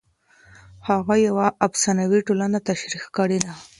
هغه یوه افسانوي ټولنه تشریح کړې ده.